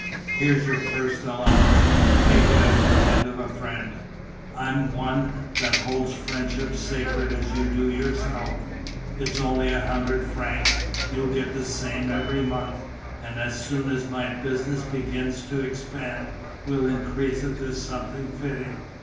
Here's your first allowance; take it at the hand of a friend; I'm one that holds friendship sacred as you do yourself. It's only a hundred francs; you'll get the same every month, and as soon as my business begins to expand we'll increase it to something fitting.